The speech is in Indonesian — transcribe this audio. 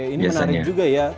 ini menarik juga ya